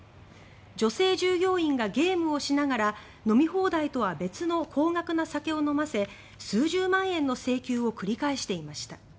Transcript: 女性従業員がゲームをしながら飲み放題とは別の高額な酒を飲ませ数十万円の請求を繰り返していました。